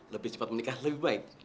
lebih cepat menikah lebih baik